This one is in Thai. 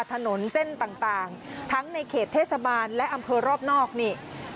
ถนนเส้นต่างทั้งในเขตเทศบาลและอำเภอรอบนอกนี่